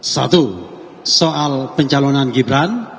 satu soal pencalonan gibran